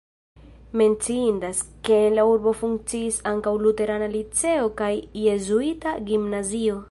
Menciindas, ke en la urbo funkciis ankaŭ luterana liceo kaj jezuita gimnazio.